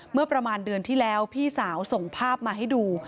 เมื่อประมาณเดือนที่แล้วพี่สาวส่งภาพมาให้ดู